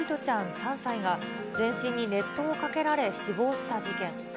３歳が全身に熱湯をかけられ死亡した事件。